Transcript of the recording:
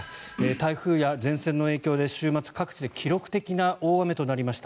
台風や前線の影響で週末、各地で記録的な大雨となりました。